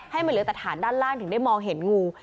ให้มันเหลือแต่ฐานด้านล่างถึงได้มองเห็นงู